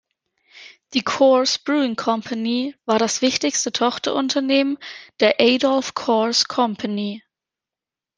Die Coors Brewing Company war das wichtigste Tochterunternehmen der "Adolph Coors Company".